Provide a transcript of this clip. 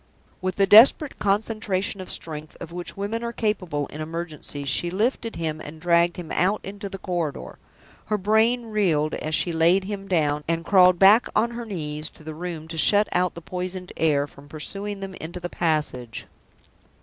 With the desperate concentration of strength of which women are capable in emergencies, she lifted him and dragged him out into the corridor. Her brain reeled as she laid him down, and crawled back on her knees to the room to shut out the poisoned air from pursuing them into the passage.